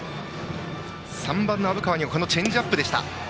３番の虻川にはチェンジアップでした。